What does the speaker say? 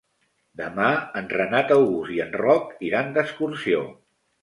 Demà en Renat August i en Roc iran d'excursió.